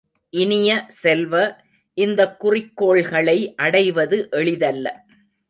இனிய செல்வ, இந்தக் குறிக்கோள்களை அடைவது எளிதல்ல.